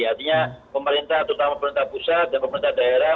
artinya pemerintah terutama pemerintah pusat dan pemerintah daerah